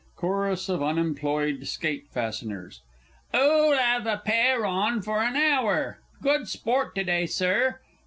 CHORUS OF UNEMPLOYED SKATE FASTENERS. 'Oo'll 'ave a pair on for an hour? Good Sport to day, Sir!